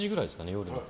夜の。